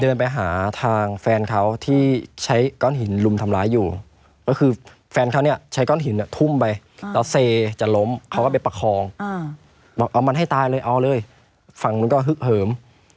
เดินไปหาทางแฟนเขาที่ใช้ก้อนหินลุมทำร้ายอยู่ก็คือแฟนเขาเนี่ยใช้ก้อนหินเนี่ยทุ่มไปแล้วเซจะล้มเขาก็ไปประคองบอกเอามันให้ตายเลยเอาเลยฝั่งนู้นก็ฮึกเหิม